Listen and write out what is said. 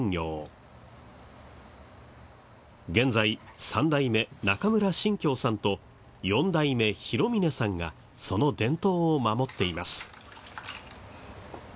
現在３代目中村信喬さんと４代目弘峰さんがその伝統を守っています。